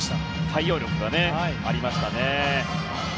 対応力がありましたね。